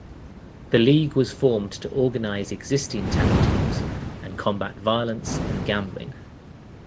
The league was formed to organize existing town teams and combat violence and gambling.